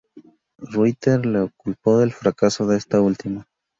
Ruyter le culpó del fracaso de esta última.